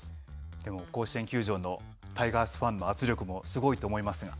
でも甲子園球場のタイガースファンの圧力も、すごいと思います